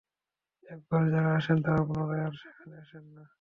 একবার যারা আসেন তারা পুনরায় আর সেখানে আসেন না।